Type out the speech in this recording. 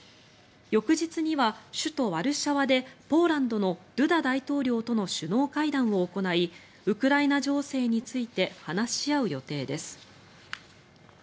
翌日には首都ワルシャワでポーランドのドゥダ大統領との首脳会談を行いウクライナ情勢について話し合う予定です。